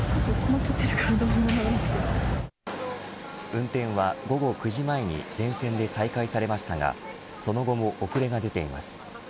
運転は午後９時前に全線で再開されましたがその後も遅れが出ています。